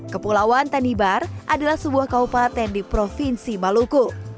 kepulauan tanibar adalah sebuah kaupaten di provinsi maluku